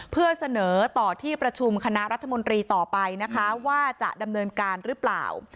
เพื่อเสนอต่อที่ประชุมคณะรัฐมนตรีต่อไปนะคะว่าจะดำเนินการหรือเปล่า